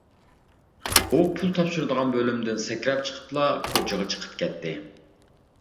ئۇ پۇل تاپشۇرىدىغان بۆلۈمىدىن سەكرەپ چىقىپلا، كوچىغا چىقىپ كەتتى.